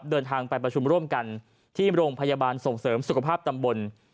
เดินทางไปประชุมร่วมกันที่โรงพยาบาลส่งเสริมสุขภาพตำบล